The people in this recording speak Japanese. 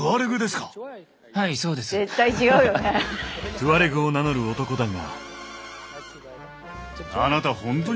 トゥアレグを名乗る男だが。